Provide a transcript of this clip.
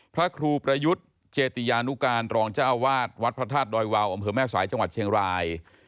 พระครูประยุทธ์เจติยานุการรองเจ้าอาวาสวัดพระธาตุดอยวาวอำเภอแม่สายจังหวัดเชียงราย